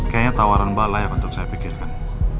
kayaknya tawaran mbak layak untuk saya pikirkan